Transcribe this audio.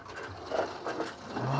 うわ。